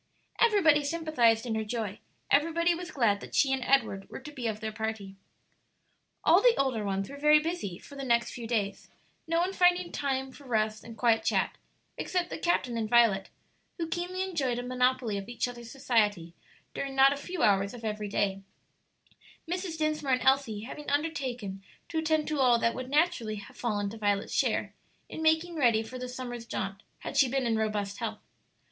Everybody sympathized in her joy; everybody was glad that she and Edward were to be of their party. All the older ones were very busy for the next few days, no one finding time for rest and quiet chat except the captain and Violet, who keenly enjoyed a monopoly of each other's society during not a few hours of every day; Mrs. Dinsmore and Elsie having undertaken to attend to all that would naturally have fallen to Violet's share in making ready for the summer's jaunt had she been in robust health.